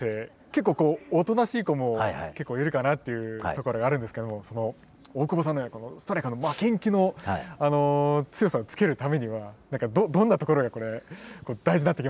結構おとなしい子も結構いるかなっていうところがあるんですけども大久保さんのようなストライカーの負けん気の強さをつけるためにはどんなところがこれ大事になってきますかね？